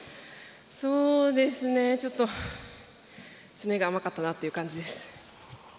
そうですね、ちょっと詰めが甘かったなって感じです。